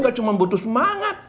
gak cuma butuh semangat